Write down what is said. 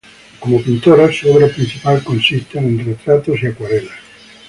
Como pintora, su obra principal fue haciendo retratos y acuarelas.